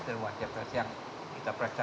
dan wajah capres yang kita periksa